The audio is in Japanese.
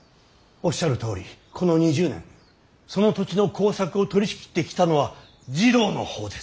おっしゃるとおりこの２０年その土地の耕作を取りしきってきたのは次郎の方です。